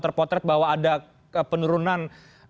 terpotret bahwa ada penurunan